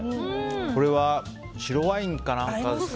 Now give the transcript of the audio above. これは白ワインか何かですか。